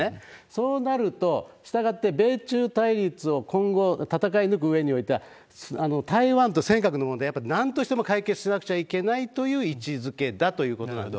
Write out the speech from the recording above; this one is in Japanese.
そうなると、したがって、米中対立を今後戦い抜くうえにおいては、台湾と尖閣の問題、やっぱりなんとしても解決しなくちゃいけないという位置づけだということなんです。